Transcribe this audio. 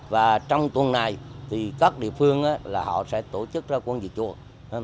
và trong tuần này các địa phương sẽ tổ chức ra quân diệt chuột